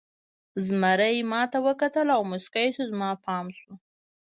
زمري ما ته وکتل او موسکی شو، زما پام شو.